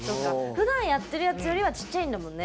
ふだんやってるやつよりはちっちゃいんだもんね